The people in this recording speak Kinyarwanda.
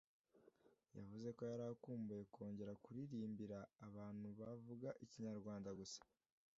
yavuze ko yari akumbuye kongera kuririmbira abantu bavuga ikinyarwanda gusa